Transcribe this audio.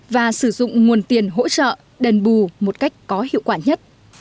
và sử dụng nguồn tiền hỗ trợ đền bù một cách có hiệu quả nhất